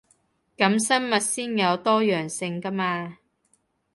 噉生物先有多樣性 𠺢 嘛